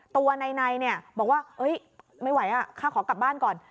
ตัวนายบอกว่าไม่ไหวขอกลับบ้านก่อน